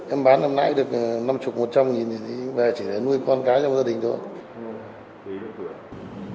em bán năm nãy được năm mươi một trăm linh nghìn thì về chỉ để nuôi con cái trong gia đình thôi